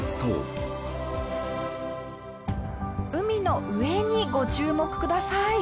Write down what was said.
海の上にご注目ください！